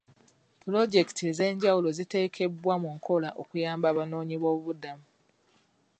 Puloojekiti ez'enjawulo ziteekebwa mu nkola okuyamba abanoonyi b'obubuddamu.